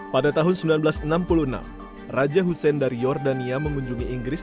pada tahun seribu sembilan ratus enam puluh enam raja husein dari jordania mengunjungi inggris